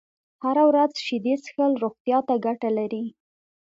هره ورځ شيدې څښل روغتيا ته گټه لري